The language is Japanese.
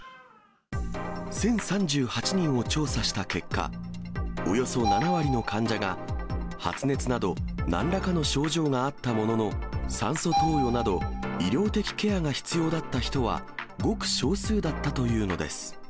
１０３８人を調査した結果、およそ７割の患者が発熱など、なんらかの症状があったものの、酸素投与など医療的ケアが必要だった人はごく少数だったというのです。